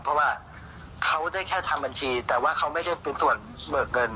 เพราะว่าเขาได้แค่ทำบัญชีแต่ว่าเขาไม่ได้เป็นส่วนเบิกเงิน